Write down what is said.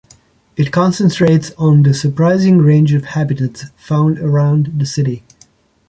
It concentrates on the surprising range of habitats found around the City.